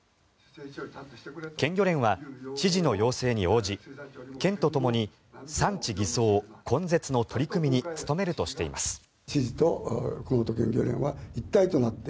県漁連は知事の要請に応じ県とともに産地偽装根絶の取り組みに努めるとしています。